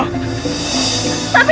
tapi ini teman pa